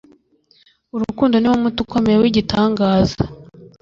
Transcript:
urukundo niwo muti ukomeye w'igitangaza